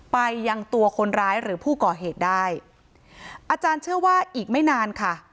ไปยังตัวคนร้ายหรือผู้ก่อเหตุได้อาจารย์เชื่อว่าอีกไม่นานค่ะ